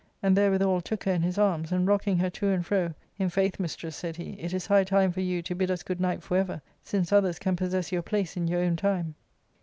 And therewithal took her in his arms, and rocking her to and fro, "In faith, mistress," said he, " it is high time for you to bid us good night for ever, since others can possess your place in your own time."